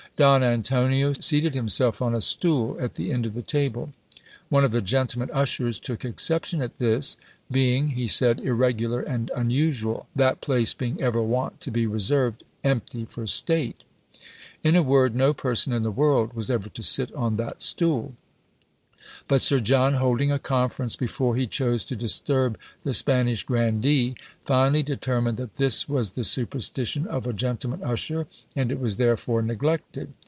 Don Antonio seated himself on a stool at the end of the table. "One of the gentlemen ushers took exception at this, being, he said, irregular and unusual, that place being ever wont to be reserved empty for state!" In a word, no person in the world was ever to sit on that stool; but Sir John, holding a conference before he chose to disturb the Spanish grandee, finally determined that "this was the superstition of a gentleman usher, and it was therefore neglected."